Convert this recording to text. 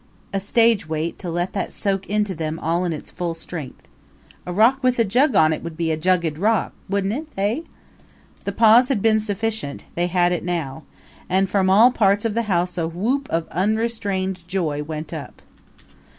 (A stage wait to let that soak into them in all its full strength.) A rock with a jug on it would be a jugged rock, wouldn't it eh? The pause had been sufficient they had it now. And from all parts of the house a whoop of unrestrained joy went up.